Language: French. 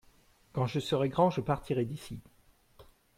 quand je serais grand je partirai d'ici.